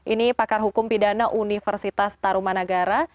ini pakar hukum pidana universitas tarumanagara